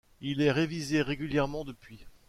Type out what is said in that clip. Il est révisé régulièrement depuis.